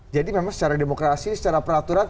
jadi memang secara demokrasi secara peraturan